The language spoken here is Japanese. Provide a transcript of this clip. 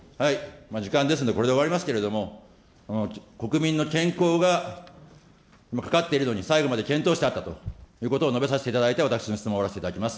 時間ですのでこれで終わりますけれども、国民の健康がかかっているのに、最後まで検討使だったということを述べさせていただいて、私の質問を終わらせていただきます。